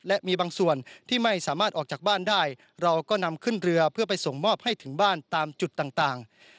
และมีบางส่วนที่ไม่สามารถออกจากบ้านได้เราก็นำขึ้นเรือเพื่อไปส่งมอบให้ถึงบ้านตามจุดต่าง